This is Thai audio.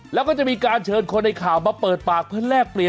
แล้วก็จะมีการเชิญคนในข่าวมาเปิดปากเพื่อแลกเปลี่ยน